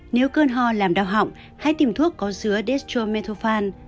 nếu cơn ho làm đau họng hãy tìm thuốc có dứa dextromethulfan